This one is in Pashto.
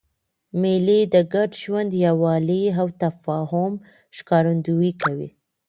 مېلې د ګډ ژوند، یووالي او تفاهم ښکارندویي کوي.